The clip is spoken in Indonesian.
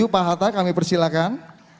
pak hatta kami persilakan